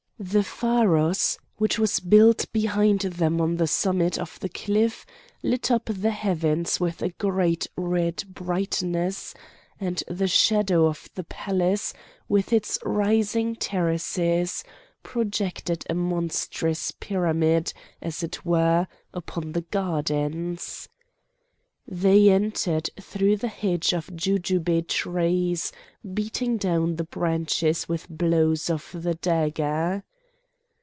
The pharos, which was built behind them on the summit of the cliff, lit up the heavens with a great red brightness, and the shadow of the palace, with its rising terraces, projected a monstrous pyramid, as it were, upon the gardens. They entered through the hedge of jujube trees, beating down the branches with blows of the dagger.